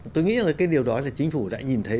tôi nghĩ là cái điều đó là chính phủ đã nhìn thấy